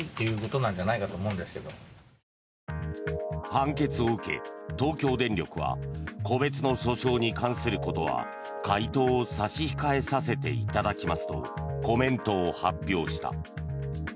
判決を受け、東京電力は個別の訴訟に関することは回答を差し控えさせていただきますとコメントを発表した。